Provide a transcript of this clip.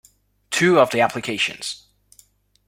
Two of the applications.